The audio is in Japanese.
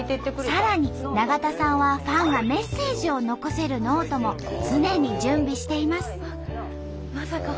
さらに永田さんはファンがメッセージを残せるノートも常に準備しています。